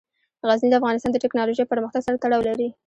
غزني د افغانستان د تکنالوژۍ پرمختګ سره تړاو لري.